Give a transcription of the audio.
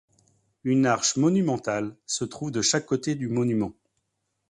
Une arche monumentale se trouve de chaque côté du monument.